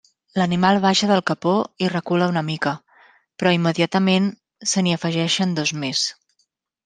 L'animal baixa del capó i recula una mica, però immediatament se n'hi afegeixen dos més.